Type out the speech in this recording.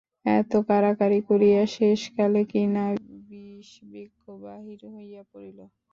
এত কাড়াকাড়ি করিয়া শেষকালে কিনা বিষবৃক্ষ বাহির হইয়া পড়িল।